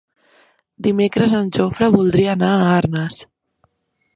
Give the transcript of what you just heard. Dimecres en Jofre voldria anar a Arnes.